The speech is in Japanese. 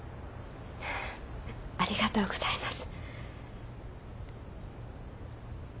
ありがとうございます。